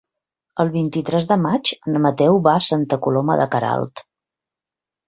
El vint-i-tres de maig en Mateu va a Santa Coloma de Queralt.